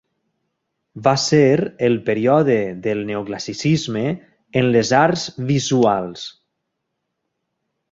Va ser el període del Neoclassicisme en les arts visuals.